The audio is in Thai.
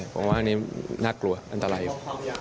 ผมว่าอันนี้น่ากลัวอันตรายอยู่